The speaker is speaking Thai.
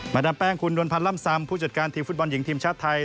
ดามแป้งคุณดวลพันธ์ล่ำซำผู้จัดการทีมฟุตบอลหญิงทีมชาติไทย